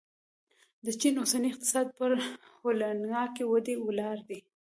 د چین اوسنی اقتصاد پر هولناکې ودې ولاړ دی.